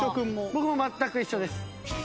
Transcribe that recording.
僕も全く一緒です。